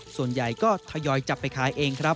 ส่วนใหญ่ก็ทยอยจับไปขายเองครับ